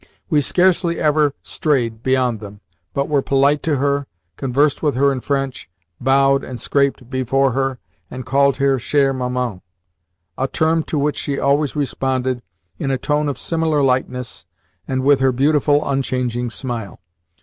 We scarcely ever strayed beyond them, but were polite to her, conversed with her in French, bowed and scraped before her, and called her "chere Maman" a term to which she always responded in a tone of similar lightness and with her beautiful, unchanging smile.